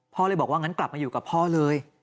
เลยบอกว่างั้นกลับมาอยู่กับพ่อเลย